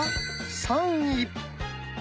３位。